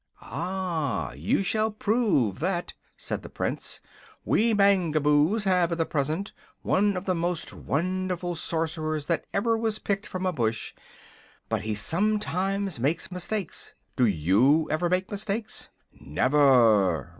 "Ah, you shall prove that," said the Prince. "We Mangaboos have, at the present time, one of the most wonderful Sorcerers that ever was picked from a bush; but he sometimes makes mistakes. Do you ever make mistakes?" "Never!"